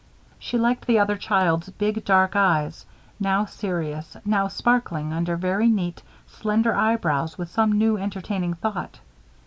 She liked the other child's big, dark eyes; now serious, now sparkling under very neat, slender eyebrows, with some new, entertaining thought.